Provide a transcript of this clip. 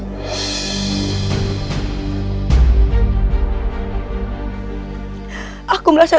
kau yang holah